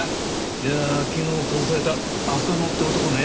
いやあ昨日殺された浅野って男ね